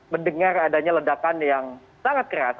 mendengar adanya ledakan yang sangat keras